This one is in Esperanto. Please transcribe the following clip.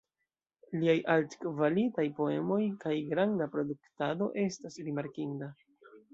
Liaj altkvalitaj poemoj kaj granda produktado estas rimarkinda.